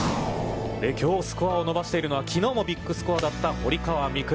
きょう、スコアを伸ばしているのは、きのうもビッグスコアだった堀川未来